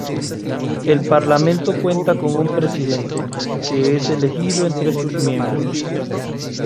El parlamento cuenta con un presidente, que es elegido entre sus miembros.